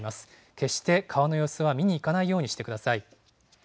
決して川の様子は見に行かないようにしてください。